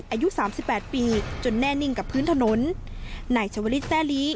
อายุสามสิบแปดปีจนแน่นิ่งกับพื้นถนนนายชาวลิศแร่ลี